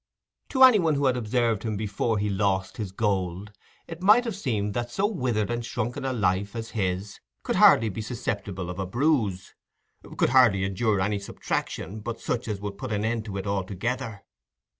To any one who had observed him before he lost his gold, it might have seemed that so withered and shrunken a life as his could hardly be susceptible of a bruise, could hardly endure any subtraction but such as would put an end to it altogether.